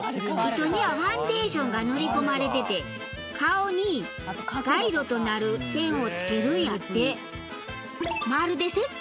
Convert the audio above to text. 糸にはファンデーションが塗り込まれてて顔にガイドとなる線をつけるんやって。